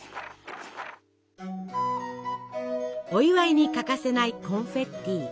お祝いに欠かせないコンフェッティ。